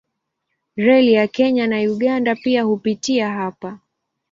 Reli ya Kenya na Uganda pia hupitia hapa.